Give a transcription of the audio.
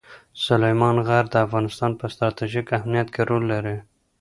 سلیمان غر د افغانستان په ستراتیژیک اهمیت کې رول لري.